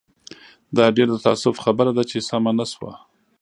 دا ډېر د تاسف خبره ده چې سمه نه شوه.